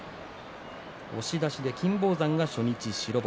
押し出しで金峰山が初日白星。